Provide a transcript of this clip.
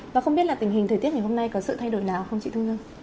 và không biết là tình hình thời tiết ngày hôm nay có sự thay đổi nào không chị thư hương